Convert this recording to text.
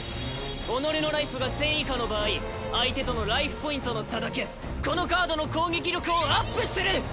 己のライフが１０００以下の場合相手とのライフポイントの差だけこのカードの攻撃力をアップする！